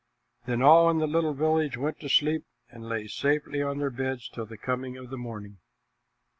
Then all in the little village went to sleep and lay safely on their beds till the coming of the morning.